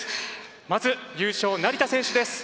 まず優勝、成田選手です。